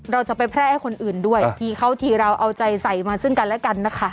เราจะไปแพร่ให้คนอื่นด้วยทีเขาทีเราเอาใจใส่มาซึ่งกันและกันนะคะ